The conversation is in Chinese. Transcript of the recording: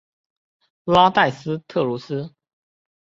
拉代斯特鲁斯。